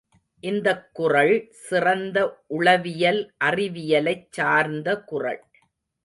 இந்தக் குறள் சிறந்த உளவியல் அறிவியலைச் சார்ந்த குறள்.